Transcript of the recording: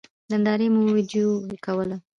نندارې مو وېډيو کوله.